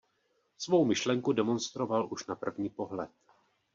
Svou myšlenku demonstroval už na první pohled.